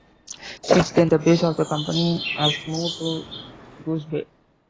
Since then the base of the company has moved to Goose Bay.